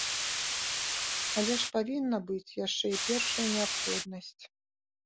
Але ж павінна быць яшчэ і першая неабходнасць.